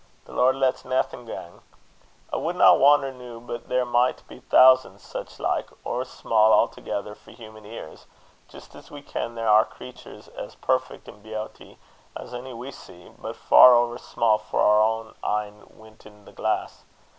The Lord lats naething gang. I wadna wonner noo but there micht be thousands sic like, ower sma' a'thegither for human ears, jist as we ken there are creatures as perfect in beowty as ony we see, but far ower sma' for our een wintin' the glass.